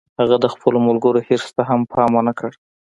هغه د خپلو ملګرو حرص ته هم پام و نه کړ